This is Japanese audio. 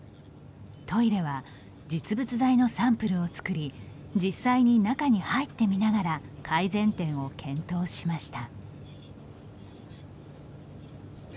トイレは実物大のサンプルをつくり実際に中に入ってみながら改善点を検討しました。